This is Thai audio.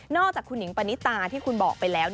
อกจากคุณหิงปณิตาที่คุณบอกไปแล้ว